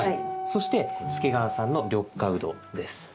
そして助川さんの緑化ウドです。